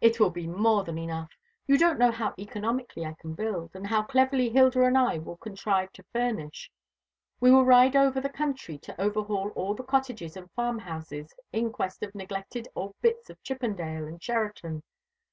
"It will be more than enough. You don't know how economically I can build, and how cleverly Hilda and I will contrive to furnish. We will ride over the country to overhaul all the cottages and farmhouses in quest of neglected old bits of Chippendale and Sheraton.